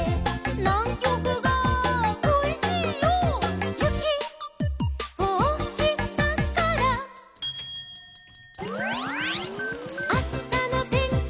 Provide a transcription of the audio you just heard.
「『ナンキョクがこいしいよ』」「ゆきをおしたから」「あしたのてんきは」